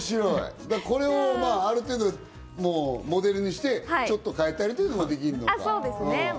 これをある程度モデルにして、ちょっと変えたりっていうのもできるのか、愛さん、どうですか？